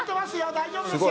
大丈夫ですよ。